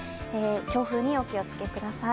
強風にお気をつけください。